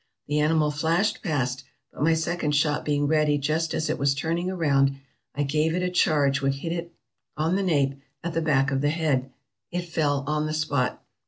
The animal flashed past, but my second shot being ready just as it was turning round, I gave it a charge which hit it on the nape, at the back of the head. It fell on the spot.